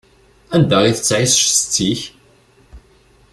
Anda i tettƐic setti-k?